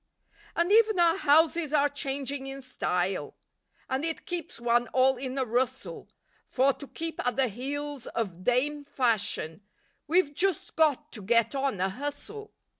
And even our houses are changing in style, And it keeps one all in a rustle, For, to keep at the heels of "Dame Fashion," We've just got to "get on a hustle."